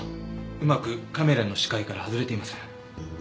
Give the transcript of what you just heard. うまくカメラの視界から外れています。